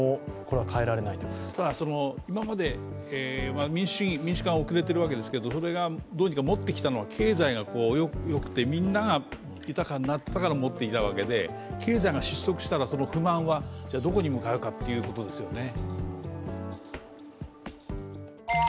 今まで民主主義、民主化が遅れているわけですけどそれがどうにかもってきたのは、経済が良くてみんながいたからもっていたわけで、経済が失速したらその不満はどこに向かうかということですよね。